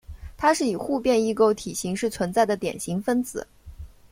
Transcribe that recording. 它是以互变异构体形式存在的典型分子。